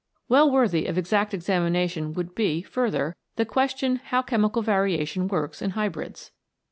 Well worthy of exact examination would be, further, the question how chemical variation works in hybrids.